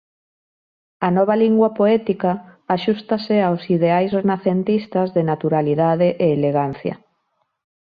A nova lingua poética axústase aos ideais renacentistas de naturalidade e elegancia.